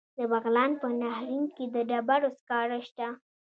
د بغلان په نهرین کې د ډبرو سکاره شته.